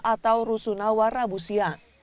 atau rusunawa rabu siang